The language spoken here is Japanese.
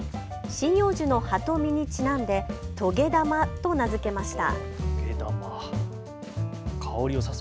針葉樹の葉と実にちなんで棘玉と名付けました。